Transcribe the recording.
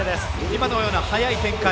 今のような速い展開。